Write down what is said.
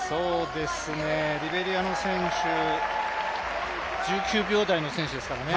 リベリアの選手、１９秒台の選手ですからね